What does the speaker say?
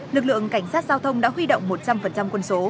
lực lượng cảnh sát giao thông đã huy động một trăm linh quân số